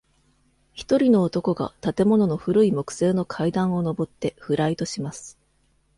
一人の男が建物の古い木製の階段を登ってフライトします。